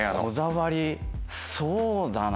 そうだな。